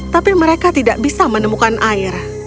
tapi mereka tidak bisa menemukan air